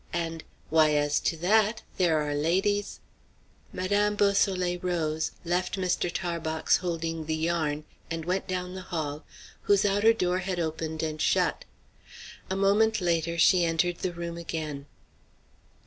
And why, as to that, there are ladies" Madame Beausoleil rose, left Mr. Tarbox holding the yarn, and went down the hall, whose outer door had opened and shut. A moment later she entered the room again.